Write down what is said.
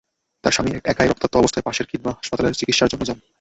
তাঁর স্বামী একাই রক্তাক্ত অবস্থায় পাশের খিদমাহ হাসপাতালে চিকিৎসার জন্য যান।